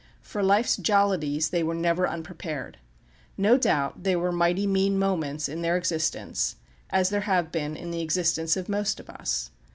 For life's jollities they were never unprepared. No doubt there were "mighty mean moments" in their existence, as there have been in the existence of most of us.